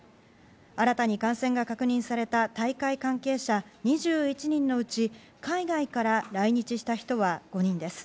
新たに感染が確認された大会関係者２１人のうち、海外から来日した人は５人です。